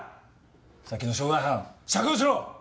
さっきの傷害犯釈放しろ。